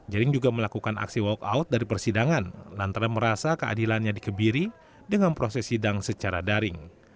jering juga melakukan aksi walk out dari persidangan lantaran merasa keadilannya dikebiri dengan proses sidang secara daring